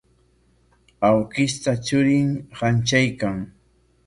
Awkishta churin hantraykan.